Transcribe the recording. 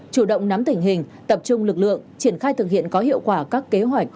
chủ động nắm tình hình tập trung lực lượng triển khai thực hiện có hiệu quả các kế hoạch